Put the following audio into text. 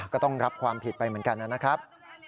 ก็ต้องรับความผิดไปเหมือนกันนะครับ